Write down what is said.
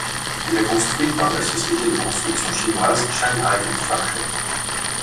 Il est construit par la société de construction chinoise Shanghai Construction.